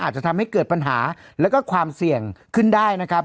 อาจจะทำให้เกิดปัญหาแล้วก็ความเสี่ยงขึ้นได้นะครับ